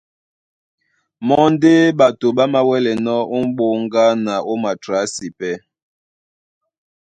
Mɔ́ ndé ɓato ɓá māwɛ́lɛnɔ́ ó m̀ɓóŋga na ó matrǎsi. Pɛ́.